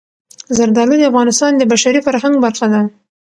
زردالو د افغانستان د بشري فرهنګ برخه ده.